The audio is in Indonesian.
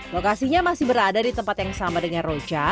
lokasinya masih berada di tempat yang sama dengan roja